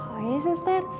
oh iya suster